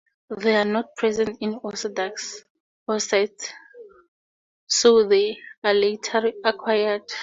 They are not present in "Osedax" oocytes so they are later acquired.